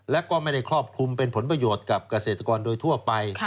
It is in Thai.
และก็ไม่ได้ครอบคลุมเป็นผลประโยชน์กับเกษตรกรโดยทั่วไป